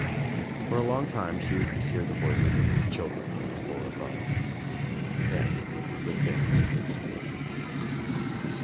For a long time Hugh could hear the voices of his children on the floor above. Then the thing hap pened.